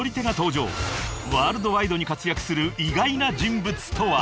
［ワールドワイドに活躍する意外な人物とは？］